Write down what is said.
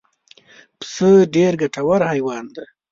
پسه ډېر ګټور حیوان دی.